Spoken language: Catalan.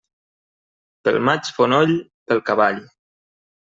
Pel maig fonoll, pel cavall.